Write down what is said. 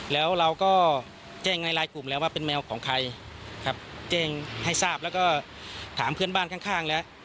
แล้วเราก็แจ้งในหลายกลุ่มแล้วว่าเป็นแมวของใครครับแจ้งให้ทราบแล้วก็ถามเพื่อนบ้านข้างแล้ว